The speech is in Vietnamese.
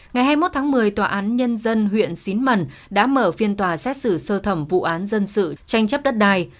ngày hai mươi một tháng một mươi tòa án nhân dân huyện xín mần đã mở phiên tòa xét xử sơ thẩm vụ án dân sự tranh chấp đất đai